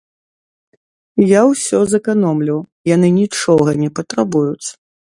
Я ўсё зэканомлю, яны нічога не патрабуюць.